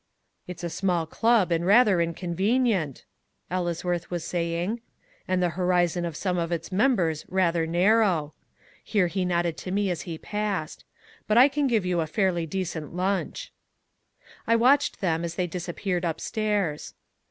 "It's a small club and rather inconvenient," Ellesworth was saying, "and the horizon of some of its members rather narrow," here he nodded to me as he passed, "but I can give you a fairly decent lunch." I watched them as they disappeared upstairs.